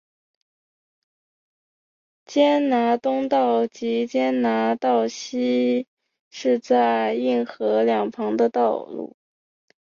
坚拿道东及坚拿道西是在这运河两旁的道路。